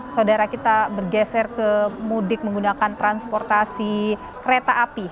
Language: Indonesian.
saudara kita bergeser ke mudik menggunakan transportasi kereta api